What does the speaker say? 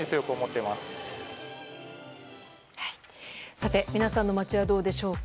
さて皆さんの街はどうでしょうか。